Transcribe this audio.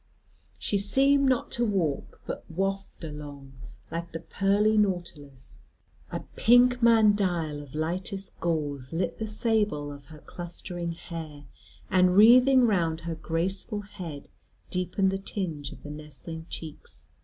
She seemed not to walk but waft along, like the pearly Nautilus. A pink mandile of lightest gauze lit the sable of her clustering hair, and wreathing round her graceful head deepened the tinge of the nestling cheeks.